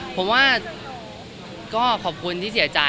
ผมว่าก็ขอบคุณที่เสียใจ